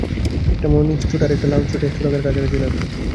একটা morning suit আর একটা লাউঞ্জ সুটে একশো টাকার কাছাকাছি লাগবে।